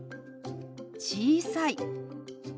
「小さい」。